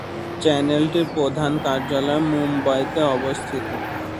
চ্যানেলটির প্রধান কার্যালয়, মুম্বইতে অবস্থিত।